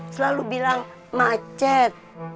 selalu bilang macet